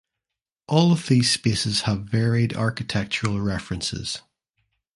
All of these spaces have varied architectural references.